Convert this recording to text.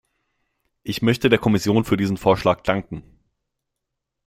Ich möchte der Kommission für diesen Vorschlag danken.